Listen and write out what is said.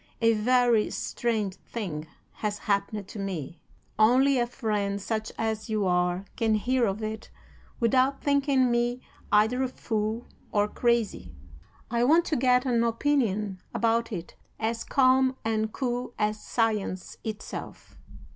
A very strange thing has happened to me. Only a friend such as you are can hear of it without thinking me either a fool or crazy. I want to get an opinion about it as calm and cool as science itself.